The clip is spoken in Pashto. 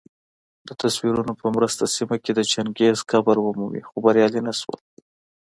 دتصویرونو په مرسته سیمه کي د چنګیز قبر ومومي خو بریالي نه سول